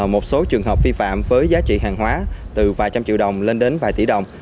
một số trường hợp vi phạm với giá trị hàng hóa từ vài trăm triệu đồng lên đến vài tỷ đồng